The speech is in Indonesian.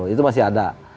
itu masih ada